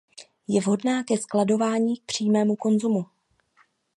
Je vhodná ke skladování a přímému konzumu.